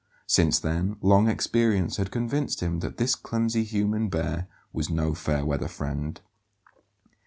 Since then, long experience had convinced him that this clumsy human bear was no fair weather friend.